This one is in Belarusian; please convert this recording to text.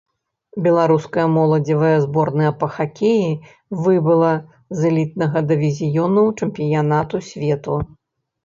Беларуская моладзевая зборная па хакеі выбыла з элітнага дывізіёну чэмпіянату свету.